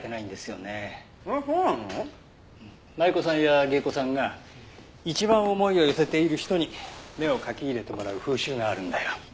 舞妓さんや芸妓さんが一番思いを寄せている人に目を描き入れてもらう風習があるんだよ。